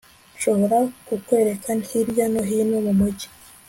Nshobora kukwereka hirya no hino mumujyi